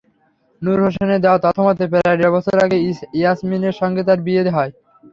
নূর হোসেনের দেওয়া তথ্যমতে, প্রায় দেড় বছর আগে ইয়াসমিনের সঙ্গে তাঁর বিয়ে হয়।